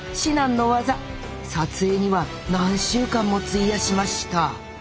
撮影には何週間も費やしました。